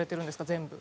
全部。